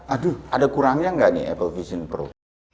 aduh ada kurangnya nggak nih apple vision pro